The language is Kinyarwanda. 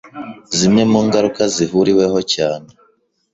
Zimwe mu ngaruka zihuriweho cyane